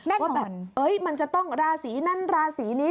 แน่นเหมือนมันจะต้องราศรีนั่นราศรีนี้